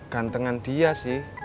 gantengan dia sih